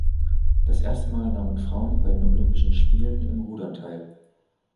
Das erste Mal nahmen Frauen bei den Olympischen Spielen im Rudern teil.